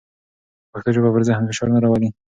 پښتو ژبه پر ذهن فشار نه راولي.